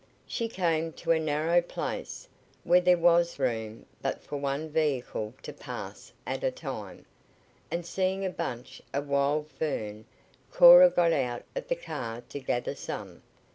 She came to a narrow place, where there was room but for one vehicle to pass at a time, and seeing a bunch of wild fern, Cora got out of the car to gather some.